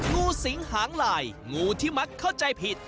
งูสิงหางลายงูที่มักเข้าใจผิด